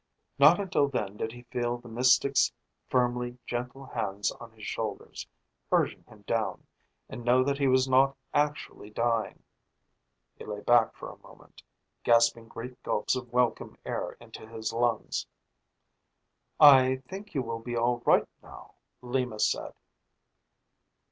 Not until then did he feel the mystic's firmly gentle hands on his shoulders, urging him down, and know that he was not actually dying. He lay back for a moment, gasping great gulps of welcome air into his lungs. "I think you will be all right now," Lima said.